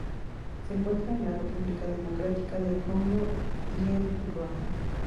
Se encuentra en la República Democrática del Congo y en Ruanda.